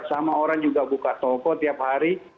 sama orang juga buka toko tiap hari